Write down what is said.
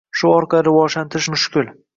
Shu orqali rivojlantirish mushkul.